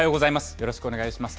よろしくお願いします。